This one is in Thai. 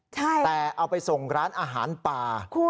แต่เอาไปส่งร้านอาหารป่า